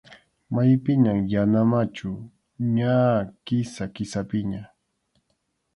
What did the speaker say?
Maypiñam yana machu, ña Kisa-Kisapiña.